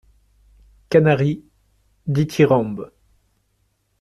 =Canaris.= Dithyrambe.